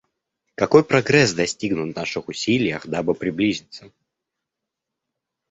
Какой прогресс достигнут в наших усилиях, дабы приблизиться.